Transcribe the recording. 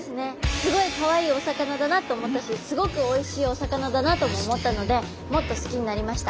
すごいかわいいお魚だなと思ったしすごくおいしいお魚だなとも思ったのでもっと好きになりました。